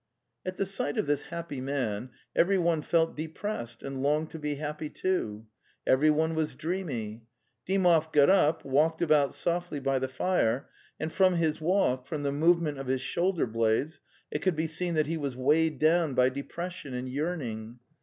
At the sight of this happy man everyone felt de pressed and longed to be happy, too. Everyone was dreamy. Dymov got up, walked about softly by the fire, and from his walk, from the movement of his shoulder blades, it could be seen that he was weighed down by depression and yearning.